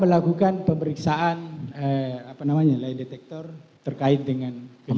melakukan pemeriksaan apa namanya lay detector terkait dengan kelima